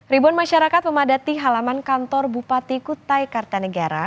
ribuan masyarakat memadati halaman kantor bupati kutai kartanegara